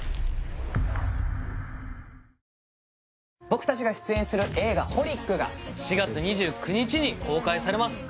僕達が出演する映画「ホリック」が４月２９日に公開されます